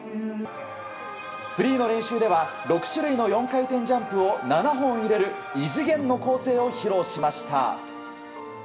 フリーの練習では６種類の４回転ジャンプを７本入れる異次元の構成を披露しました。